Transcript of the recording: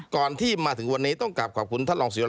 ก่อนที่มาถึงวันนี้ต้องกลับขอบคุณท่านลองศิษยนต์